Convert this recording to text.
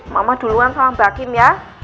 mama duluan tolong bakim ya